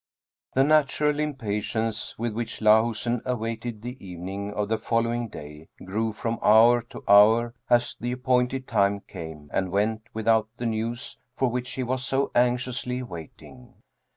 The natural impatience with which Lahusen awaited the evening of the following day grew from hour to hour as the appointed time came and went without the news for which he was so anxiously waiting.